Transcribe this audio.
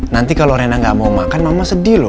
nanti kalau rena gak mau makan mama sedih loh